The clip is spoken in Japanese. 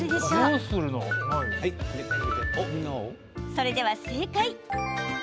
それでは正解。